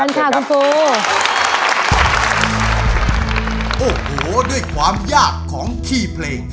เสิริฟโอโหโหโหด้วยความยากของคีย์เพลง